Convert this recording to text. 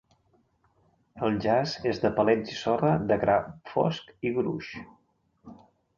El jaç és de palets i sorra de gra fosc i gruix.